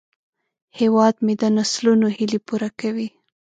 هیواد مې د نسلونو هیلې پوره کوي